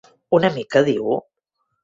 Una mica, diu?